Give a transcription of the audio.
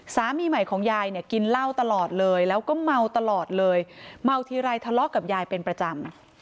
สามีใหม่ของยายเนี่ยกินเหล้าตลอดเลยแล้วก็เมาตลอดเลยเมาทีไรทะเลาะกับยายเป็นประจำ